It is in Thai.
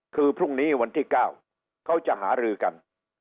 คือพรุ่งนี้วันที่๙เขาจะหารือกัน